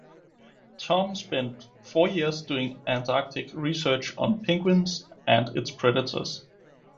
Tom spent four years doing Antarctic research on penguins and its predators.